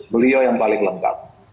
beliau yang paling lengkap